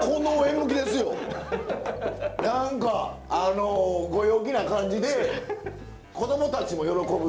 何かご陽気な感じで子供たちも喜ぶし。